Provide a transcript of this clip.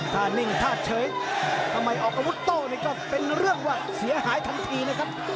ฆ่านิ่งทาเฉยทำไมออกอวยุทโต๊ก็เป็นเรื่องเสียหายทันทีนะครับ